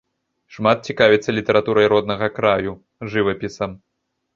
Шмат цікавіцца літаратурай роднага краю, жывапісам.